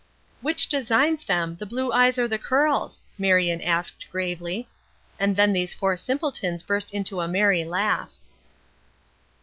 "Which designs them, the blue eyes or the curls?" Marion asked, gravely. And then these four simpletons burst into a merry laugh.